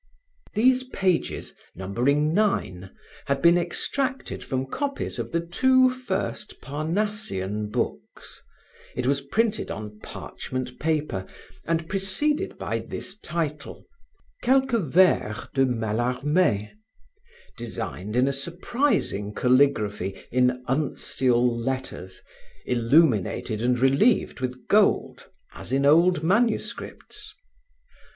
These pages, numbering nine, had been extracted from copies of the two first Parnassian books; it was printed on parchment paper and preceded by this title: Quelques vers de Mallarme, designed in a surprising calligraphy in uncial letters, illuminated and relieved with gold, as in old manuscripts.